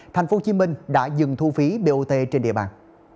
tp hcm đã dừng thu phí bot trên địa bàn